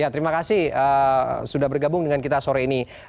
terima kasih sudah bergabung dengan kita sore ini